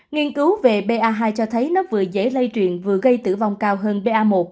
nghiên cứu về ba hai cho thấy nó vừa dễ lây truyền vừa gây tử vong cao hơn ba